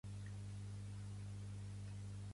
Va morir a Madrid mancat de recursos.